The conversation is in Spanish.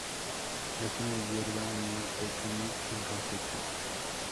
Es una hierba anual, pequeño, en roseta.